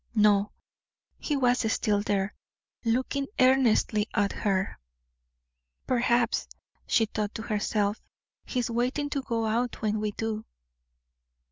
No; he was still there, looking earnestly at her. "Perhaps," she thought to herself, "he is waiting to go out when we do."